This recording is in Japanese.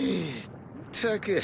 ったく。